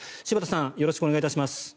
柴田さんよろしくお願いします。